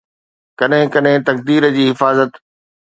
ڪڏهن ڪڏهن تقدير جي حفاظت